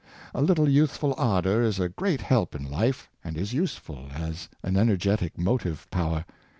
A little youthful ardor is a great help in life, and is useful as an energetic motive power.